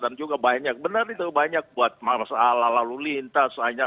dan juga banyak benar itu banyak buat masalah lalu lintas